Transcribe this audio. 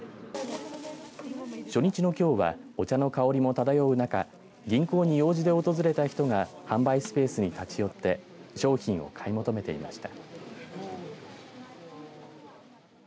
初日のきょうはお茶の香りも漂う中銀行に用事で訪れた人が販売スペースに立ち寄って商品を買い求めていました。